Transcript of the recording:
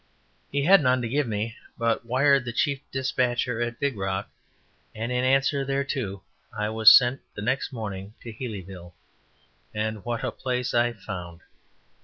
He had none to give me but wired the chief despatcher at Big Rock, and in answer thereto I was sent the next morning to Healyville. And what a place I found!